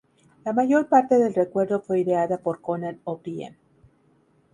La mayor parte del recuerdo fue ideada por Conan O'Brien.